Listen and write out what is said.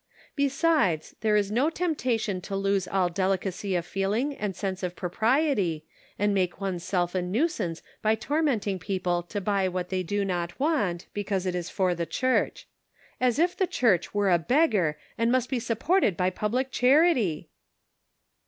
Besides, there is no temptation to lose all deli cacy of feeling and sense of propriety, and make oneself a nuisance by tormenting people to buy what they do not want, because it is for the Church. As if the Church were a beg gar, and must be supported by public charity